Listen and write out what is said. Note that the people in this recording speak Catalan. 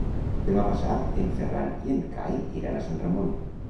Demà passat en Ferran i en Cai iran a Sant Ramon.